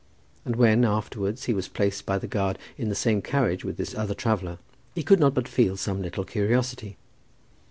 And when, afterwards, he was placed by the guard in the same carriage with this other traveller, he could not but feel some little curiosity.